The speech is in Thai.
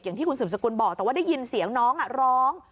อย่างที่คุณสืบสกุลบอกแต่ว่าได้ยินเสียงน้องร้อง